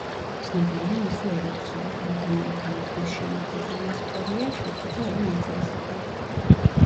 ცნობილია მისი ორი თხზულება: „ადამიანთა მოდგმის შემოკლებული ისტორია“, შედგება ორი ნაწილისაგან.